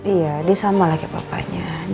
iya dia sama lah kayak papanya